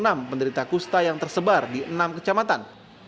dapat dua ratus sembilan puluh enam penderita kusta yang tersebar di enam kecamatan